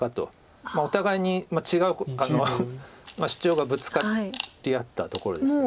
お互いに違う主張がぶつかり合ったところですよね。